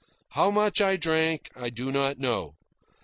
How much I drank I do not know.